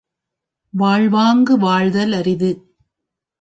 வாழ்வாங்கு வாழ்தல் அரிது.